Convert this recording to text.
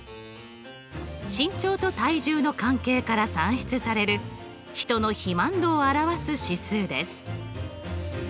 身長と体重の関係から算出される人の肥満度を表す指数です。